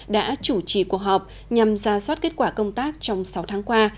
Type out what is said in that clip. đã chủ trì cuộc họp nhằm ra soát kết quả công tác trong sáu tháng qua